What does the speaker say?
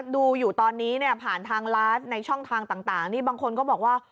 ดูอยู่ตอนนี้เนี่ยผ่านทางไลฟ์ในช่องทางต่างนี่บางคนก็บอกว่า